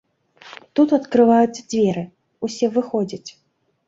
Тут адкрываюцца дзверы, усе выходзяць.